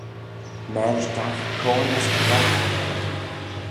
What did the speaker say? Marish dagh coan as creg.